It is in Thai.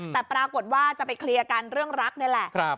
แต่ปรากฏว่าจะไปเคลียร์กันเรื่องรักนี่แหละ